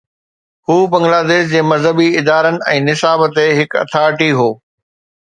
هو بنگلاديش جي مذهبي ادارن ۽ نصاب تي هڪ اٿارٽي هو.